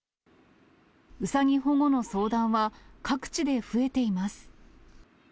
うさぎ保護の相談は、各地で増えています。